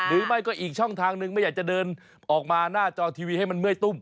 หรือไม่ก็อีกช่องทางหนึ่งไม่อยากจะเดินออกมาหน้าจอทีวีให้มันเมื่อยตุ้ม